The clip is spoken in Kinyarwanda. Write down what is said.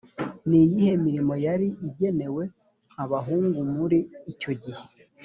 ni iyihe mirimo yari igenewe abahungu muri icyo gihe.